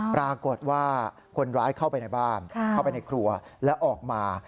ปรากฏว่าคนร้ายเข้าไปในบ้านเข้าไปในครัวแล้วออกมา